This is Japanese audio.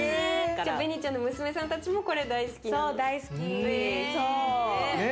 じゃあベニちゃんの娘さんたちもこれ大好きなの？